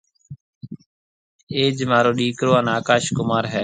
اَئيج مهارو ڏيڪرو هانَ آڪاش ڪمار هيَ۔